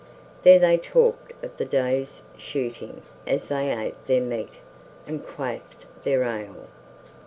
There they talked of the day's shooting as they ate their meat and quaffed their ale.